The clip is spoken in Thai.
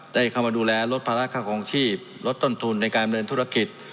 ได้เข้ามาดูแลลดภาระค่าคลองชีพลดต้นทุนในการดำเนินธุรกิจ